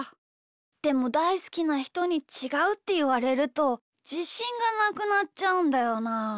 でもだいすきなひとに「ちがう」っていわれるとじしんがなくなっちゃうんだよな。